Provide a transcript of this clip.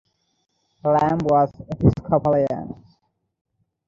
Lamb was Episcopalian.